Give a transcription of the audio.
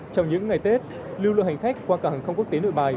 trong những ngày tết lưu lượng hành khách qua cảng hàng không quốc tế nội bài